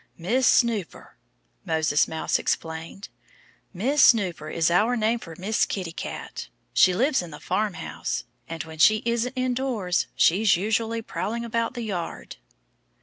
"Miss Snooper " Moses Mouse explained "Miss Snooper is our name for Miss Kitty Cat. She lives in the farmhouse. And when she isn't indoors she's usually prowling about the yard."